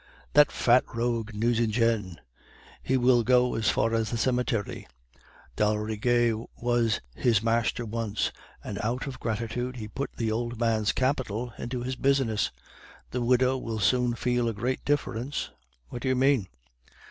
"'That fat rogue Nucingen; he will go as far as the cemetery; d'Aldrigger was his master once, and out of gratitude he put the old man's capital into his business.' "'The widow will soon feel a great difference.' "'What do you mean?